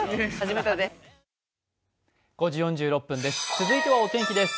続いてはお天気です。